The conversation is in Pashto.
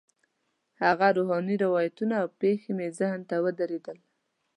هغه روحاني روایتونه او پېښې مې ذهن ته ودرېدل.